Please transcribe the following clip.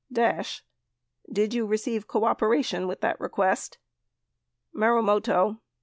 Dash. Did you receive cooperation in that request? Martjmoto.